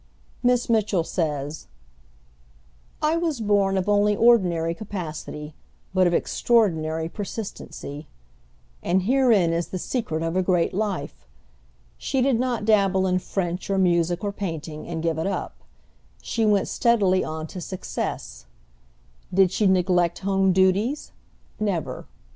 Miss Mitchell says, "I was born of only ordinary capacity, but of extraordinary persistency," and herein is the secret of a great life. She did not dabble in French or music or painting and give it up; she went steadily on to success. Did she neglect home duties? Never.